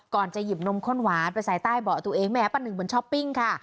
จะหยิบนมข้นหวานไปใส่ใต้เบาะตัวเองแม้ป้าหนึ่งเหมือนช้อปปิ้งค่ะ